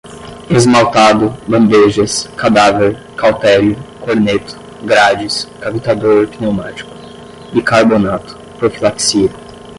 esmaltado, bandejas, cadáver, cautério, corneto, grades, cavitador pneumático, bicarbonato, profilaxia